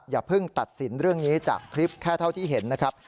อย่าเพิ่งตัดสินเรื่องนี้จากคลิปแค่เท่าที่เห็นนะครับ